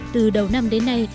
từ đầu năm đến nay